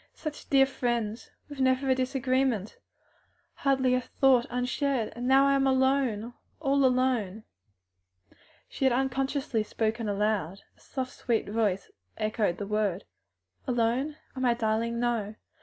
such dear friends! with never a disagreement, hardly a thought unshared! And now I am alone! all alone!" She had unconsciously spoken aloud. A soft sweet voice echoed the last word. "Alone! ah, my darling, no!